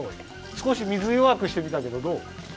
すこし水よわくしてみたけどどう？